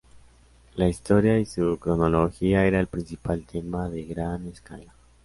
La Historia y su cronología era el principal tema de Gran Scala.